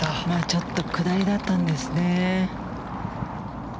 ちょっと下りだったんですね。